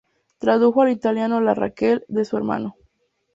Tradujo al italiano la "Raquel" de su hermano.